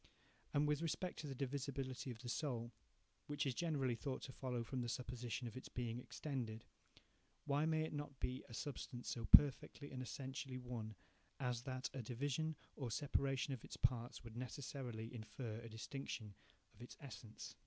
And with respect to the divisibility of the soul, which is generally thought to follow from the supposition of its being extended, why may it not be a substance so perfectly and essentially one, as that a division or separation of its parts would necessarily infer a distinction of its essence?